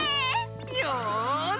よし！